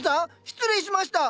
失礼しました。